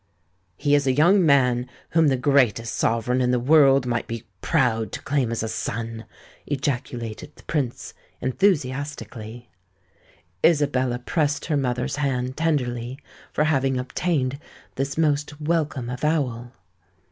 "He is a young man whom the greatest sovereign in the world might be proud to claim as a son!" ejaculated the Prince, enthusiastically. Isabella pressed her mother's hand tenderly for having obtained this most welcome avowal.